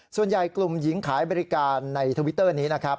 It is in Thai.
ส่วนใหญ่กลุ่มหญิงขายบริการในทวิตเตอร์นี้นะครับ